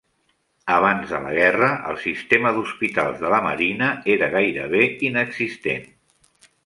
Abans de la guerra, el sistema d'hospitals de la marina era gairebé inexistent.